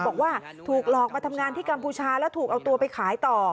บอกว่าถูกหลอกมาทำงานที่กัมพูชาแล้วถูกเอาตัวไปขายต่อ